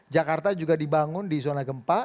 jakarta juga dibangun di zona gempa